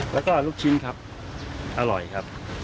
แล้วก็ลูกชิ้นครับอร่อยครับ